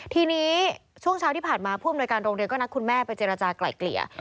ทีนี้ช่วงเช้าที่ผ่านมาผู้อำนวยการโรงเรียนก็นัดคุณแม่ไปเจรจากลายเกลี่ย